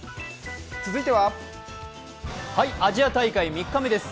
続いてはアジア大会３日目です。